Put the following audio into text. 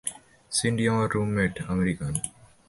সিন্ডি, আমার roommate, American.